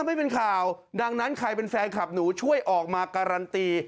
ไม่เป็นข่าวดังนั้นใครเป็นแฟนคลับหนูช่วยออกมาการันตี